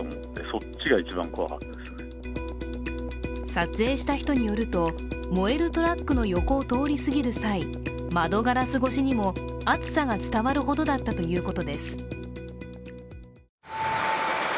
撮影した人によると、燃えるトラックの横を通りすぎる際、窓ガラス越しにも熱さが伝わるほどだったということです。